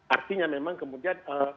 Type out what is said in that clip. artinya memang kemudian